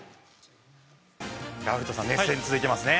古田さん熱戦が続いていますね。